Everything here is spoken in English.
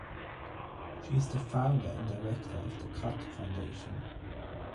She is the founder and director of the Khatt Foundation.